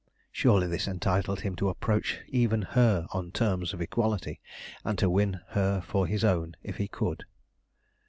Surely this entitled him to approach even her on terms of equality, and to win her for his own if he could.